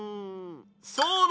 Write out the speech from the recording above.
そうだ！